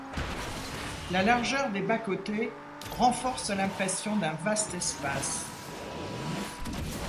La largeur des bas-côtés renforce l'impression d'un vaste espace.